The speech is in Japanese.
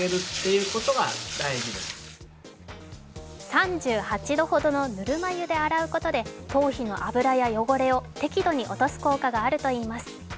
３８度ほどのぬるま湯で洗うことで頭皮の脂や汚れを適度に落とす効果があるといいます。